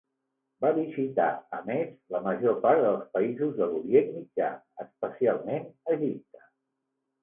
Va visitar, a més, la major part dels països de l'Orient Mitjà, especialment Egipte.